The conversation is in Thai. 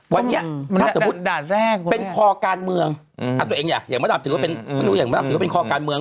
วันนี้ถ้าสมมุติเป็นข้อการเมืองตัวเองอย่างมาตรับถือว่าเป็นข้อการเมือง